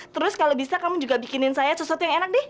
terus kalau bisa kamu juga bikinin saya sesuatu yang enak deh